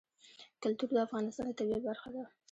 کلتور د افغانستان د طبیعت برخه ده.